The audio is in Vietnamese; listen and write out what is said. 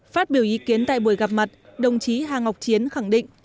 phát biểu ý kiến tại buổi gặp mặt đồng chí hà ngọc chiến khẳng định